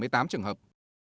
tám trường hợp